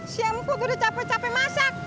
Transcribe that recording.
si simput udah capek capek masak